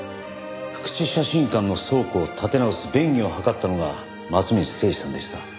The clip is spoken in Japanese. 福地写真館の倉庫を建て直す便宜を図ったのが松水誠二さんでした。